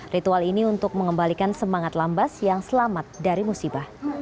ritual ini untuk mengembalikan semangat lambas yang selamat dari musibah